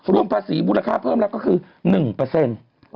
รวมภาษีมูลค่าเพิ่มแล้วก็คือ๑เปอร์เซ็นต์